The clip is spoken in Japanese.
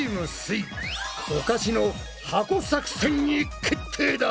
イ「おかしの箱作戦」に決定だ！